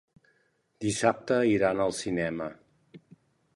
Dissabte iran al cinema.